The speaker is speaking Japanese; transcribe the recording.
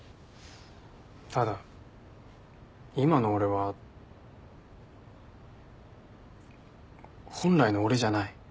ただ今の俺は本来の俺じゃない。